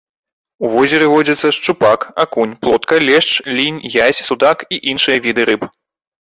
У возеры водзяцца шчупак, акунь, плотка, лешч, лінь, язь, судак і іншыя віды рыб.